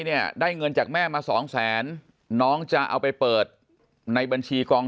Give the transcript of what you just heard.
เนี่ยได้เงินจากแม่มาสองแสนน้องจะเอาไปเปิดในบัญชีกอง